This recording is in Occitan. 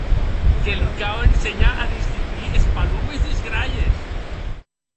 Que li cau ensenhar a distinguir es palomes des gralhes.